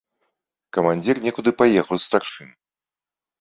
Камандзір некуды паехаў з старшым.